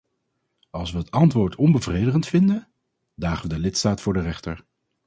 Als we het antwoord onbevredigend vinden, dagen we de lidstaat voor de rechter.